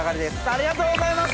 ありがとうございます！